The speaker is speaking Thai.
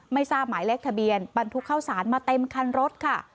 ไม่ทราบหมายเลขทะเบียนบรรทุกเข้าสารมาเต็มคันรถค่ะ